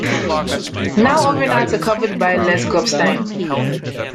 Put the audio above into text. Now overnights are covered by Les Grobstein.